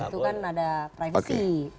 itu kan ada previsi